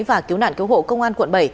và cứu nạn cứu hộ công an quận bảy